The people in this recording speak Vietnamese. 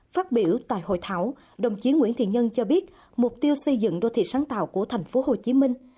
phát biểu tại hội thảo đồng chí nguyễn thiện nhân cho biết mục tiêu xây dựng đô thị sáng tạo của thành phố hồ chí minh